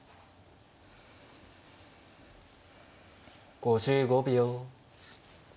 ５５秒。